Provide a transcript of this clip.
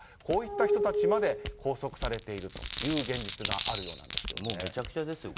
こういった人たちまで拘束されている現実があるようです。